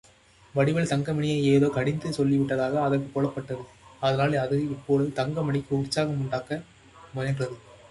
வடிவேல் தங்கமணியை ஏதோ கடிந்து சொல்லிவிட்டதாக அதற்குப் புலப்பட்டது, அதனால் அது இப்பொழுது தங்கமணிக்கு உற்சாகம் உண்டாக்க முயன்றது.